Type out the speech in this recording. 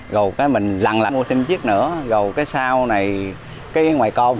rồi mình lặng lặng mua thêm chiếc nữa rồi cái sao này cái ngoài con